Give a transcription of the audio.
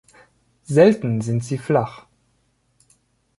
Selten sind sie flach.